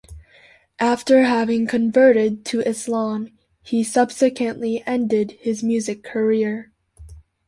After having converted to Islam, he subsequently ended his music career.